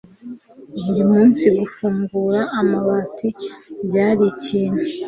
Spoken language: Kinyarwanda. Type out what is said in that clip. burimunsi gufungura amabati byari ikintu